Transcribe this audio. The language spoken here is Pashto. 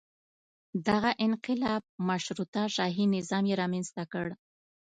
دغه انقلاب مشروطه شاهي نظام یې رامنځته کړ.